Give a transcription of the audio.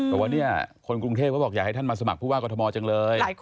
ว่าวันนี้คนกรุงเทพฯว่าบอกอยากให้ท่านมาสมัครผู้ว่ากฎมจังเลย